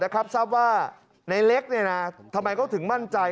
ทราบว่าในเล็กทำไมเขาถึงมั่นใจ